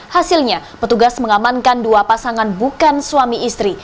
hasilnya petugas mengamankan dua pasangan bukan suami istri